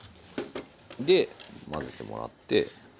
で混ぜてもらって。